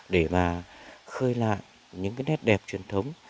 để mà khơi lại những cái nét đẹp truyền thống